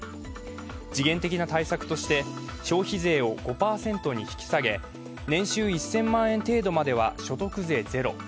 時限的な対策として、消費税を５％に引き下げ、年収１０００万円程度までは所得税ゼロ。